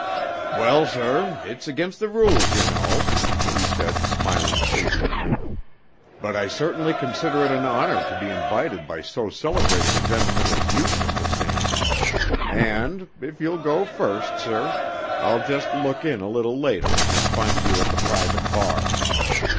"Well, sir, it's against the rules, you know," he said, smiling sapiently. "But I certainly consider it an honour to be invited by so celebrated a gentleman as you, Mr. Stanton. And if you'll go first, sir, I'll just look in a little later and find you at the private bar."